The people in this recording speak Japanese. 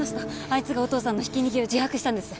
あいつがお父さんのひき逃げを自白したんです。